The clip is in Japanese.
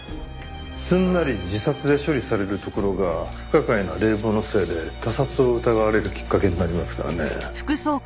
すんなり自殺で処理されるところが不可解な冷房のせいで他殺を疑われるきっかけになりますからね。